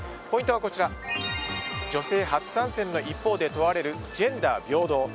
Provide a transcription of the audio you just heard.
ポイントはこちら女性初参戦の一方で問われるジェンダー平等。